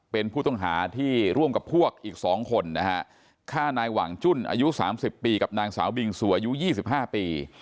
เป็นผู้ต้องหาที่ร่วมกับพวกอีก๒คนนะฮะฆ่านายหว่างจุ้นอายุ๓๐ปีกับนางสาวบิงสัวอายุ๒๕ปี